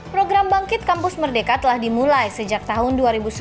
program bangkit kampus merdeka telah dimulai sejak tahun dua ribu sebelas